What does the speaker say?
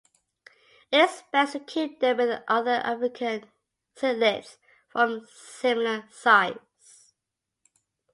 It is best to keep them with other African cichlids of similar size.